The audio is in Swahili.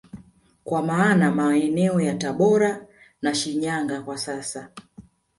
Kwa maana ya maeneo ya tabora na Shinyanga kwa sasa